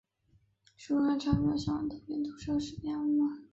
书中还配插了相关图片、图示和视频二维码